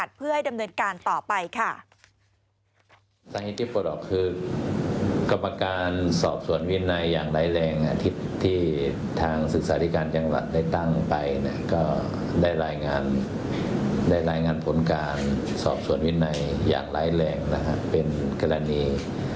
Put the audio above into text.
สหมดในอย่างไรแลกเป็นกรณี